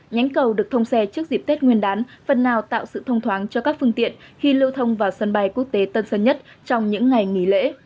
nhánh cầu được thông xe trước dịp tết nguyên đán phần nào tạo sự thông thoáng cho các phương tiện khi lưu thông vào sân bay quốc tế tân sơn nhất trong những ngày nghỉ lễ